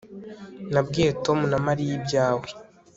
Nabwiye Tom na Mariya ibyawe